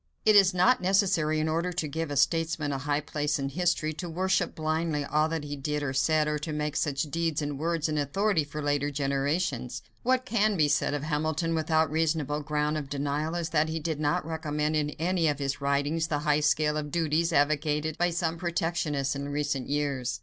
It is not necessary, in order to give a statesman a high place in history, to worship blindly all that he did or said or to make such deeds and words an authority for later generations. What can be said of Hamilton without reasonable ground of denial is that he did not recommend in any of his writings the high scale of duties advocated by some protectionists in recent years.